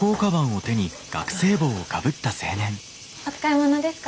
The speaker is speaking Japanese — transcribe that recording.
お使いものですか？